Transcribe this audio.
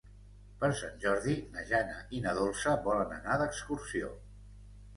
Per Sant Jordi na Jana i na Dolça volen anar d'excursió.